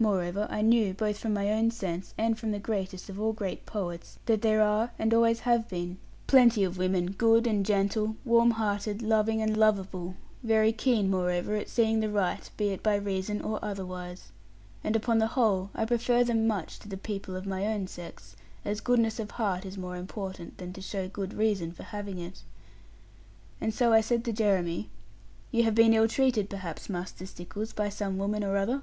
Moreover, I knew, both from my own sense, and from the greatest of all great poets, that there are, and always have been, plenty of women, good, and gentle, warm hearted, loving, and lovable; very keen, moreover, at seeing the right, be it by reason, or otherwise. And upon the whole, I prefer them much to the people of my own sex, as goodness of heart is more important than to show good reason for having it. And so I said to Jeremy, 'You have been ill treated, perhaps, Master Stickles, by some woman or other?'